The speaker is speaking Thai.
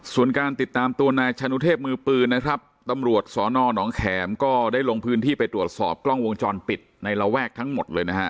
ส่วนการติดตามตัวนายชานุเทพมือปืนนะครับตำรวจสนหนองแขมก็ได้ลงพื้นที่ไปตรวจสอบกล้องวงจรปิดในระแวกทั้งหมดเลยนะฮะ